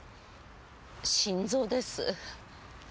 心臓です。